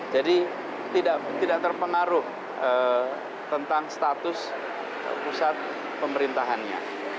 jadi tidak terpengaruh tentang status pusat pemerintahannya